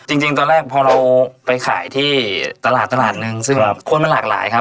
จริงตอนแรกพอเราไปขายที่ตลาดตลาดนึงซึ่งคนมันหลากหลายครับ